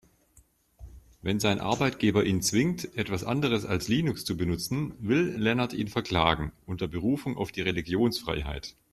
Wenn sein Arbeitgeber ihn zwingt, etwas anderes als Linux zu benutzen, will Lennart ihn verklagen, unter Berufung auf die Religionsfreiheit.